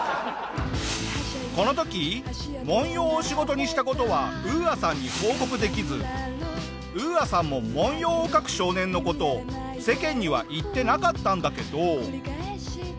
この時文様を仕事にした事はＵＡさんに報告できずＵＡさんも文様を描く少年の事を世間には言ってなかったんだけど。